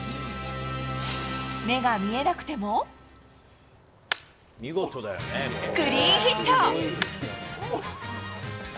目が見えなくても、クリーンヒット。